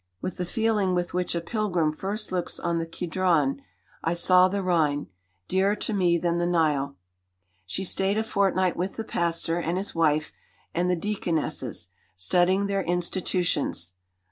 "With the feeling with which a pilgrim first looks on the Kedron, I saw the Rhine, dearer to me than the Nile." She stayed a fortnight with the Pastor and his wife and the Deaconesses, studying their institutions.